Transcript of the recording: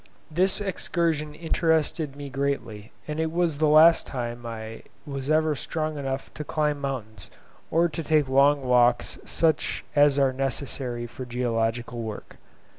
This excursion interested me greatly, and it was the last time I was ever strong enough to climb mountains or to take long walks such as are necessary for geological work.